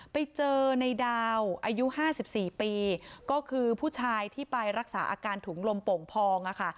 ไปเจอในดาวอายุ๕๔ปีก็คือผู้ชายที่ไปรักษาอาการถุงลมโป่งพองอะค่ะ